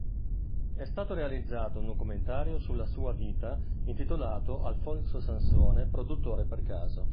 E' stato realizzato un documentario sulla sua vita intitolato Alfonso Sansone produttore per caso.